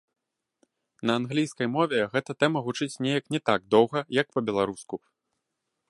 На англійскай мове гэта тэма гучыць неяк не так доўга, як па-беларуску.